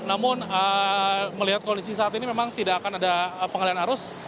namun melihat kondisi saat ini memang tidak akan ada pengalian arus